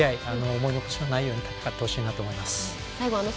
思い残しのないように戦ってほしいなと思います。